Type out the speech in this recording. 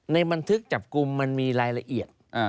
ในบันทึกจับกลุ่มมันมีรายละเอียด